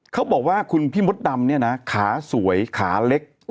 เขาบอกว่าคุณพี่มดดำเนี่ยนะขาสวยขาเล็ก